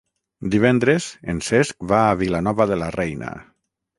Divendres en Cesc va a Vilanova de la Reina.